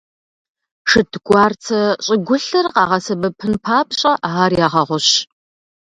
Шэдгуарцэ щӀыгулъыр къагъэсэбэпын папщӀэ, ар ягъэгъущ.